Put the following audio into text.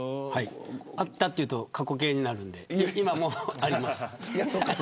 あったっていうと過去形になるんで今もあります。